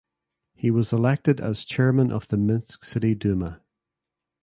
He was elected as chairman of the Minsk City Duma.